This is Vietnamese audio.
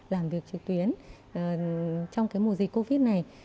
làm việc trực tuyến trong mùa dịch covid một mươi chín này